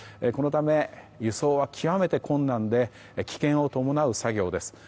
このため、輸送は極めて困難で危険を伴う作業です。